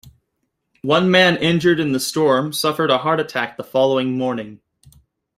One man injured in the storm suffered a heart attack the following morning.